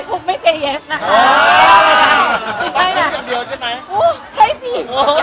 เออเขาพูดอะไร